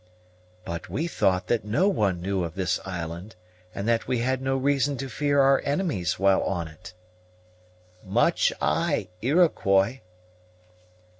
"But we thought that no one knew of this island, and that we had no reason to fear our enemies while on it." "Much eye, Iroquois."